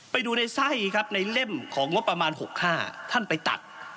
ไปดูในไส้ครับในเล่มของงบประมาณ๖๕ท่านไปตัด